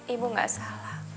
ibu gak salah